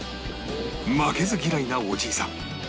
負けず嫌いなおじいさん